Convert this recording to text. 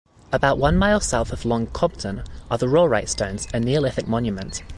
About one mile south of Long Compton are the Rollright Stones, a neolithic monument.